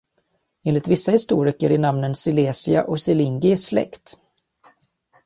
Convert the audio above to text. Enligt vissa historiker är namnen Silesia och Silingi släkt.